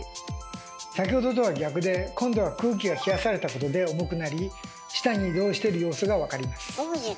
先ほどとは逆で今度は空気が冷やされたことで重くなり下に移動してる様子が分かります。